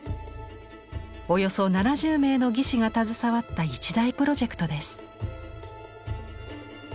およそ７０名の技師が携わった一大プロジェクトです。